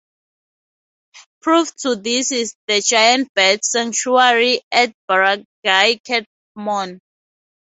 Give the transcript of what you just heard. Proof to this is the giant bat sanctuary at Barangay Catmon.